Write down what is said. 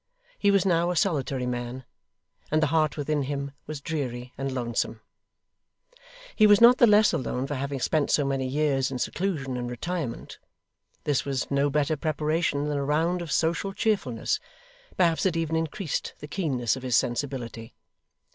He was now a solitary man, and the heart within him was dreary and lonesome. He was not the less alone for having spent so many years in seclusion and retirement. This was no better preparation than a round of social cheerfulness: perhaps it even increased the keenness of his sensibility.